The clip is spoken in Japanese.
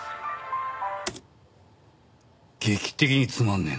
劇的につまんねえな。